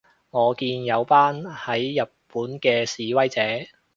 我見有班喺日本嘅示威者